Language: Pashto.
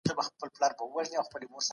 شنې سبزيجات د پوستکي حجرې ساتي.